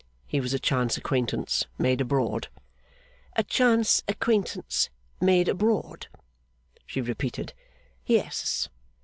He was a chance acquaintance, made abroad.' 'A chance acquaintance made abroad!' she repeated. 'Yes.